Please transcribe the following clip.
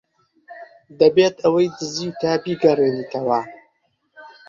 دەبێت ئەوەی دزیوتە بیگەڕێنیتەوە.